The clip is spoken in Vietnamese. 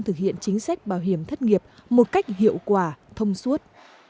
thực hiện chính sách bảo hiểm thất nghiệp một cách hiệu quả thông suốt